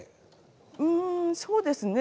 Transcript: うんそうですね。